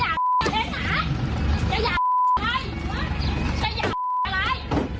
มึงไม่พามันไปกินน้ำเย็นที่บ้านกูเลย